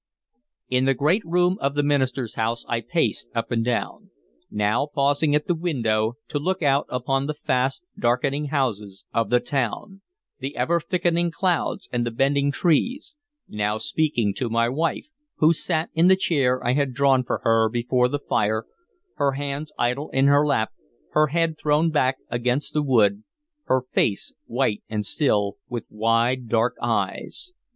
In the great room of the minister's house I paced up and down; now pausing at the window, to look out upon the fast darkening houses of the town, the ever thickening clouds, and the bending trees; now speaking to my wife, who sat in the chair I had drawn for her before the fire, her hands idle in her lap, her head thrown back against the wood, her face white and still, with wide dark eyes.